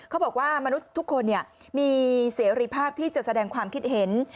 เขาบอกว่ามนุษย์ทุกคนมีเสรีภาพที่จะแสดงความคิดเห็น